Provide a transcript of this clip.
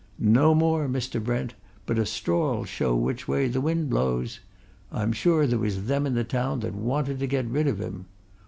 No more, Mr. Brent; but a straw'll show which way the wind blows. I'm sure there was them in the town that wanted to get rid of him.